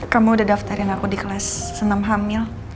kamu udah daftarin aku di kelas senem hamil